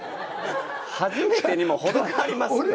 初めてにも程がありますって。